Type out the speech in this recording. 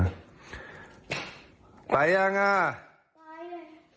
ก็คือว่าทุกคนจะต้องรีบแบบมีมือสั่นมือพองหมดแล้วเนี่ย